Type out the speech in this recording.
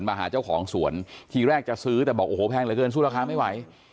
มาหาเจ้าของสวนทีแรกจะซื้อแต่บอกโอ้โหแพงเหลือเกินสู้ราคาไม่ไหว